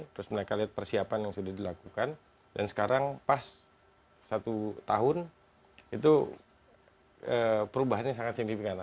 terus mereka lihat persiapan yang sudah dilakukan dan sekarang pas satu tahun itu perubahannya sangat signifikan